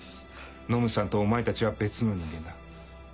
ノムさんとお前たちは別の人間だ。